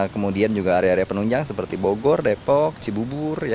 kemudian juga area area penunjang seperti bogor depok cibubur